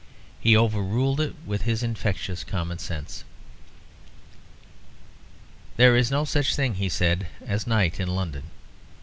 He overruled it with his infectious common sense. "There is no such thing," he said, "as night in London.